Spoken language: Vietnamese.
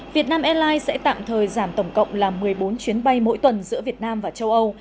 việt nam airlines sẽ tạm thời giảm tổng cộng là một mươi bốn chuyến bay mỗi tuần giữa việt nam và châu âu